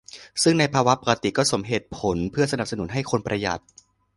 ซึ่งในภาวะปกติก็สมเหตุผลเพื่อสนับสนุนให้คนประหยัด